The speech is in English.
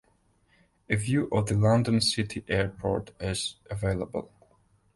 A view of the London City Airport is available.